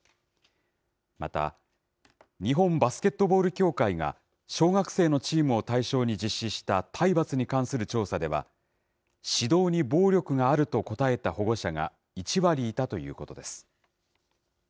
また、日本バスケットボール協会が、小学生のチームを対象に実施した体罰に関する調査では、指導に暴力があると答えた保護者が１割いたということです。